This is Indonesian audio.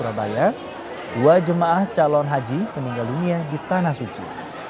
dan setelah itu ada dua jemaah calon haji meninggal dunia di tanah suci